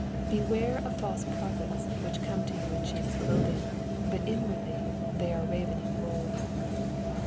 15 Beware of false prophets, which come to you in sheep's clothing, but inwardly they are ravening wolves.